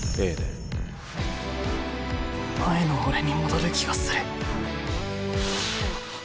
前の俺に戻る気がする。